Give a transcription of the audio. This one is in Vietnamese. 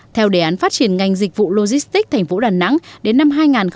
theo đề án phát triển ngành dịch vụ logistics thành phố đà nẵng đến năm hai nghìn hai mươi